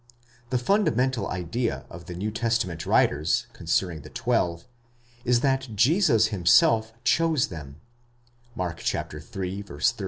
The fundamental idea of the New Testament writers concerning the twelve, is that Jesus himself chose them {Mark iil.